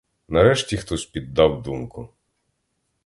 Нарешті хтось піддав думку.